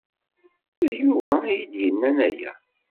D Yuba ay iyi-d-yennan aya.